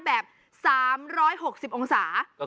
แก้ปัญหาผมร่วงล้านบาท